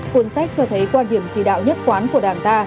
cuốn sách cho thấy quan điểm chỉ đạo nhất quán của đảng ta